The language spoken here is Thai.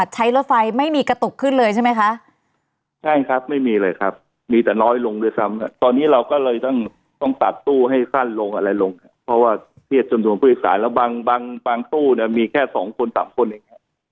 ใช่ครับไม่มีเลยครับมีแต่น้อยลงด้วยซ้ำตอนนี้เราก็เลยต้องตัดตู้ให้สั้นลงอะไรลงเพราะว่าเทียดจำนวนผู้อิกษาแล้วบางตู้มีแค่สองคนสามคนเอง